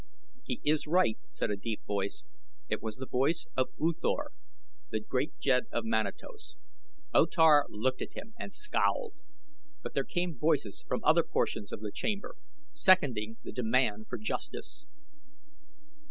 "He is right," said a deep voice. It was the voice of U Thor, the great jed of Manatos. O Tar looked at him and scowled; but there came voices from other portions of the chamber seconding the demand for justice.